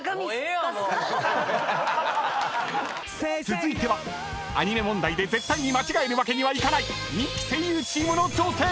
［続いてはアニメ問題で絶対に間違えるわけにはいかない人気声優チームの挑戦！］